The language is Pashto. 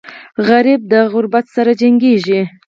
سوالګر د غربت سره جنګېږي